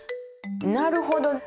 なるほど。